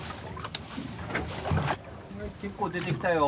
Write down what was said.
結構出てきたよ！